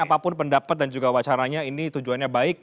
apapun pendapat dan juga wacaranya ini tujuannya baik